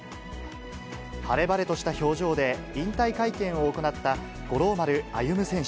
晴れ晴れとした表情で引退会見を行った五郎丸歩選手。